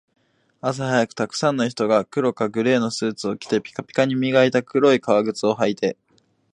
朝早く、沢山の人が黒かグレーのスーツを着て、ピカピカに磨いた黒い革靴を履いて